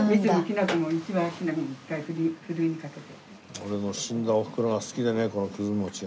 俺の死んだおふくろが好きでねこのくず餅が。